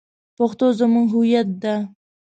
پښتو زمونږ هویت ده